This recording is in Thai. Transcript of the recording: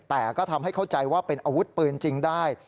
แต่ก็ทำให้เข้าใจว่าเป็นอาวุธปืนจริงได้